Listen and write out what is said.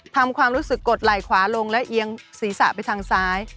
ความรู้สึกกดไหล่ขวาลงและเอียงศีรษะไปทางซ้าย